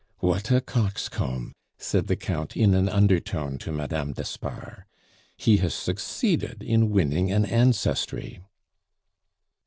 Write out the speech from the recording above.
"What a coxcomb!" said the Count in an undertone to Madame d'Espard. "He has succeeded in winning an ancestry."